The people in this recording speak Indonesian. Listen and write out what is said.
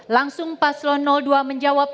langsung paslon dua menjawab